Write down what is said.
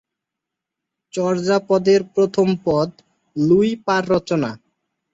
চর্যাপদের প্রথম পদ লুই পার রচনা।